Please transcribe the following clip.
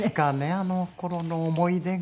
あの頃の思い出が。